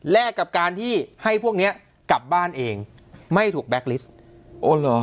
กับการที่ให้พวกเนี้ยกลับบ้านเองไม่ถูกแก๊กลิสต์โอ้เหรอ